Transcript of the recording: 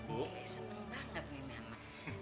ini seneng banget nih mama